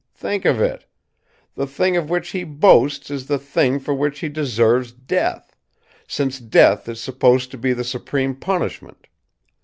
Think of it! The thing of which he boasts is the thing for which he deserves death since death is supposed to be the supreme punishment.